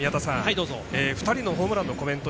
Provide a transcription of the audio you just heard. ２人のホームランのコメント